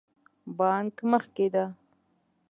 بانک مخکې ده